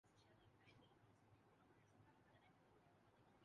آپ کا متفق ہونا ضروری نہیں ۔